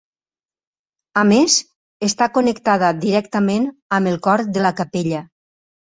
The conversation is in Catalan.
A més, està connectada directament amb el cor de la capella.